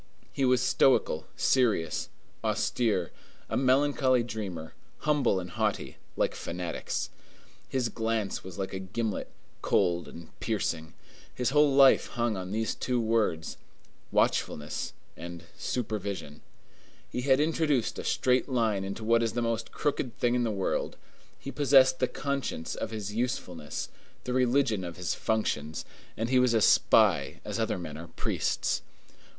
He was stoical, serious, austere; a melancholy dreamer, humble and haughty, like fanatics. His glance was like a gimlet, cold and piercing. His whole life hung on these two words: watchfulness and supervision. He had introduced a straight line into what is the most crooked thing in the world; he possessed the conscience of his usefulness, the religion of his functions, and he was a spy as other men are priests.